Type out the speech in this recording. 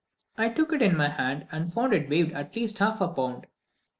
I took it in my hand, and found that it weighed at least half a pound.